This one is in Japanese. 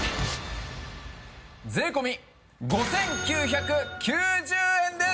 税込５９９０円です！